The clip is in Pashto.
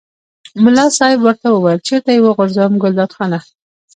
ملا صاحب ورته وویل چېرته یې وغورځوم ګلداد خانه.